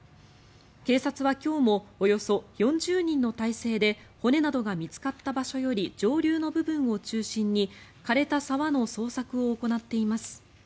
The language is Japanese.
警察は今日もおよそ４０人の態勢で骨などが見つかった場所より上流の部分を中心に枯れた沢の捜索を行っています。